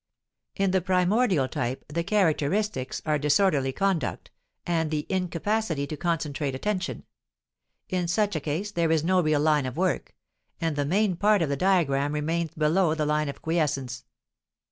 In the primordial type the characteristics are disorderly conduct, and incapacity to concentrate attention; in such a case there is no real line of work, and the main part of the diagram remains below the line of quiescence.